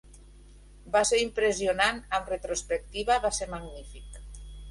Va ser impressionant; amb retrospectiva, va ser magnífic.